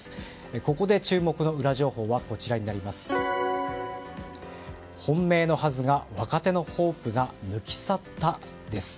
ここでも注目のウラ情報は本命のはずが若手のホープが抜き去った？です。